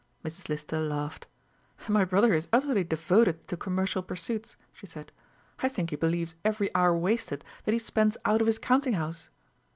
Mrs. Lister laughed. "My brother is utterly devoted to commercial pursuits," she said; "I think he believes every hour wasted that he spends out of his counting house."